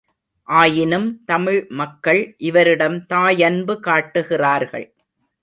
ஆயினும் தமிழ் மக்கள் இவரிடம் தாயன்பு காட்டுகிறார்கள்.